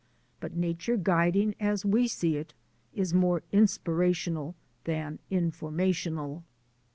But nature guiding, as we see it, is more inspirational than informational.